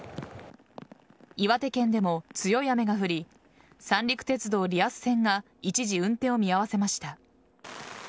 岩手県でも強い雨が降り三陸鉄道リアス線が一時、運転を見合わせました。